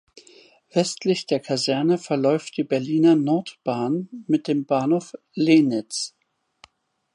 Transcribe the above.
Westlich der Kaserne verläuft die Berliner Nordbahn mit dem Bahnhof Lehnitz.